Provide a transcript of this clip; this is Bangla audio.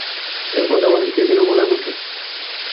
এ পদ আমাকে কে দিল বলা কঠিন।